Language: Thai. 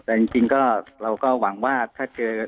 แต่จริงก็เราก็หวังว่าถ้าเจอ